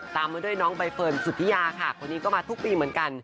ตามมาด้วยน้องใบเฟิร์นสุธิยาค่ะคนนี้ก็มาทุกปีเหมือนกัน